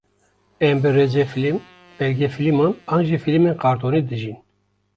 em bi rêzefîlim, belge fîliman an bi fîlmên qartonî dijîn.